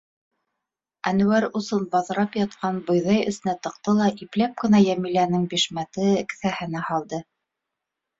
Әнүәр усын баҙрап ятҡан бойҙай эсенә тыҡты ла ипләп кенә Йәмиләнең бишмәте кеҫәһенә һалды.